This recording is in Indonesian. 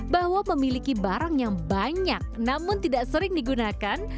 bahwa memiliki barang yang banyak namun tidak sering digunakan